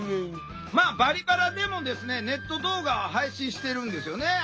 まあ「バリバラ」でもネット動画配信してるんですよね。